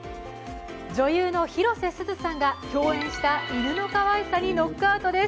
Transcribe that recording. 女優の広瀬すずさんが共演した犬のかわいさにノックアウトです。